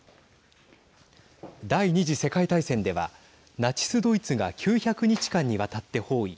第２次世界大戦ではナチス・ドイツが９００日間にわたって包囲。